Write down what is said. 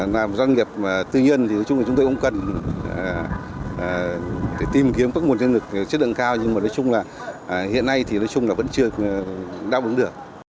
là một doanh nghiệp tư nhân thì chúng tôi cũng cần tìm kiếm các nguồn nhân lực chất lượng cao nhưng mà nói chung là hiện nay thì nói chung là vẫn chưa đáp ứng được